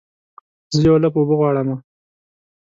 زه یوه لپه اوبه غواړمه